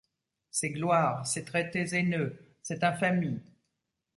Ces gloires, ces traités haineux, cette infamie.